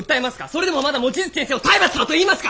それでもまだ望月先生を体罰だと言いますか！？